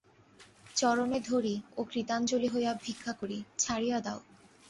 চরণে ধরি ও কৃতাঞ্জলি হইয়া ভিক্ষা করি ছাড়িয়া দাও।